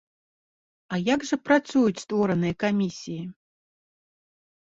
А як жа працуюць створаныя камісіі?